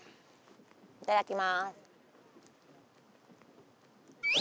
いただきます。